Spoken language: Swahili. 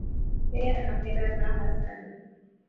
Yeye anapenda raha sana